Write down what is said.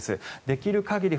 できる限り